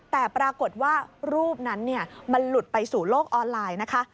แต่ปรากฏว่ารูปนั้นมันหลุดไปสู่โลกออนไลน์นะคะ